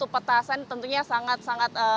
petasan tentunya sangat sangat